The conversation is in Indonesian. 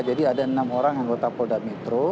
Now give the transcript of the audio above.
jadi ada enam orang yang berutang poda mitro